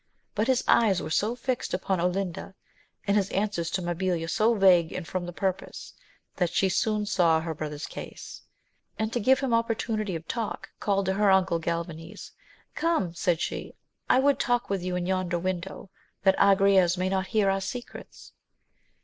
But his eyes were so fixed upon Olinda, and his answers to Mabilia so vague and from the purpose, that she soon saw her brother's case ; and, to give him opportunity of talk, called to her uncle Galvanes. Come, said she, I would talk with you in yonder window, that Agrayes may not hear our secrets.